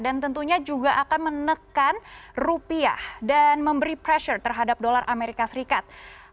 dan tentunya juga akan menekan rupiah dan memberi pressure terhadap dolar amerika serikat